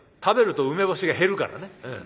食べると梅干しが減るからね。